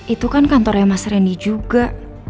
itu kan kantornya mas reni juga